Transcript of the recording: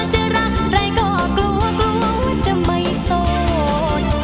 จะรักอะไรก็กลัวกลัวจะไม่โสด